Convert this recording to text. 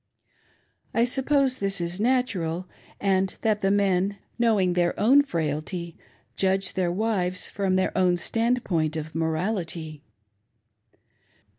I suppose this is natural, and that the men, knowing their own frailty, judge their wives from their own stand point of morality.